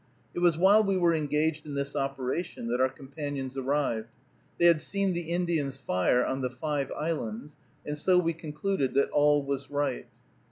It was while we were engaged in this operation that our companions arrived. They had seen the Indians' fire on the Five Islands, and so we concluded that all was right.